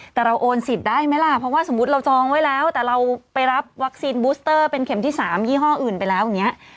แต่เราโอนสิทธิ์ได้ไหมล่ะเพราะว่าสมมุติเราจองไว้แล้วแต่เราไปรับวัคซีนบูสเตอร์เป็นเข็มที่๓ยี่ห้ออื่นไปแล้วอย่างนี้